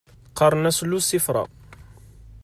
Qqaren-as Lucifera